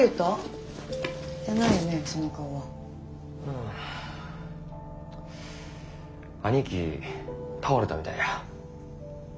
うん兄貴倒れたみたいや。